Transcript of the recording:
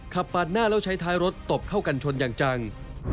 ปาดหน้าแล้วใช้ท้ายรถตบเข้ากันชนอย่างจัง